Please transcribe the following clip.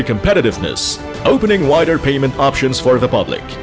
membuka pilihan uang pembayaran lebih luas untuk publik